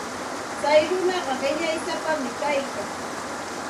Tsay runaqa qillaysapam kaykan.